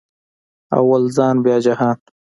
اول ځان بیا جهان